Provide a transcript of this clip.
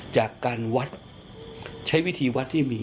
จากการวัดใช้วิธีวัดที่มี